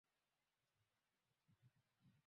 Mama anakula wali.